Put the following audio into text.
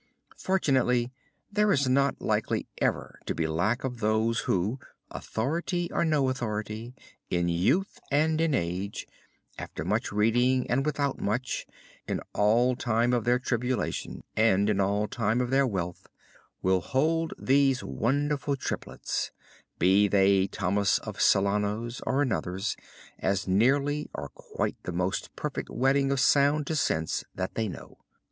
Fortunately there is not likely ever to be lack of those who, authority or no authority, in youth and in age, after much reading or without much, in all time of their tribulation and in all time of their wealth, will hold these wonderful triplets, be they Thomas of Celano's or another's, as nearly or quite the most perfect wedding of sound to sense that they know."